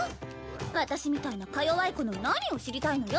私みたいなか弱い子の何を知りたいのよ。